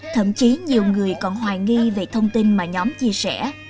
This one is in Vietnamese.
thậm chí nhiều người còn hoài nghi về thông tin mà nhóm chia sẻ